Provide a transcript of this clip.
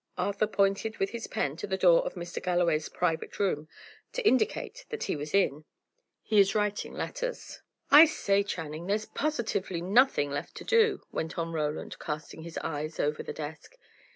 Arthur pointed with his pen to the door of Mr. Galloway's private room, to indicate that he was in it. "He is writing letters." "I say, Channing, there's positively nothing left to do," went on Roland, casting his eyes over the desk.